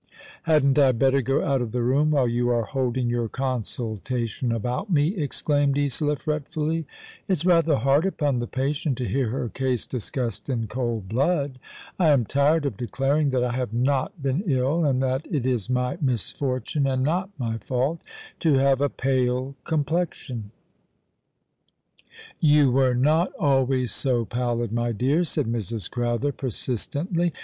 " Hadn't I better go out of the room while you are holding your consultation about me ?" exclaimed Isola, fretfully. " It's rather hard upon the patient to hear her case discussed in cold blood. I am tired of declaring that I have not been ill, and that it is my misfortune and not my fault to have a pale complexion." ''You were not always so pallid, my dear," said Mrs. Crowther, persistently.